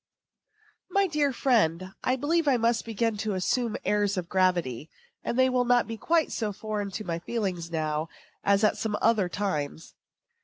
My dear friend: I believe I must begin to assume airs of gravity; and they will not be quite so foreign to my feelings now as at some other times.